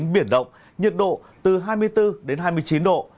biển động nhiệt độ từ hai mươi bốn đến hai mươi chín độ